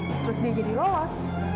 terus dia jadi lolos